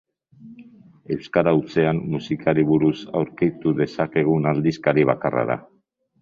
Euskara hutsean musikari buruz aurkitu dezakegun aldizkari bakarra da.